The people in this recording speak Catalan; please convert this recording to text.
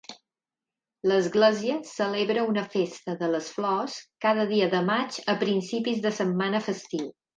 L'església celebra una festa de les flors cada dia de maig a principis de setmana festiu.